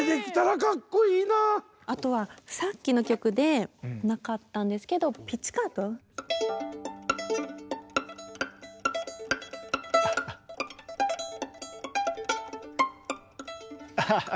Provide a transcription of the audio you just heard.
あとはさっきの曲でなかったんですけどアハハ